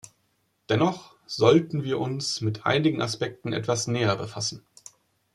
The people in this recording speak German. Dennoch sollten wir uns mit einigen Aspekten etwas näher befassen.